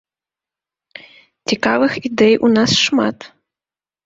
Цікавых ідэй у нас шмат.